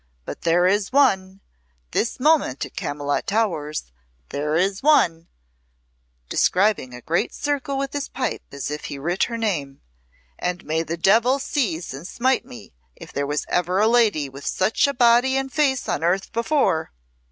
But there is one this moment at Camylott Towers there is one," describing a great circle with his pipe as if he writ her name, "and may the devil seize and smite me, if there was ever a lady with such a body and face on earth before."